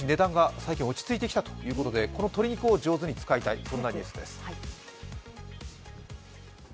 最近少し落ち着いてきたということでこの鶏肉上手に使いたいというニュースです。